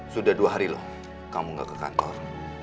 sudah dua hari loh kamu gak ke kantor